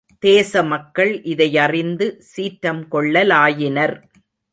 தேச மக்கள் இதைய றிந்து சீற்றம் கொள்ள லாயினர்.